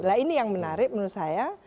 nah ini yang menarik menurut saya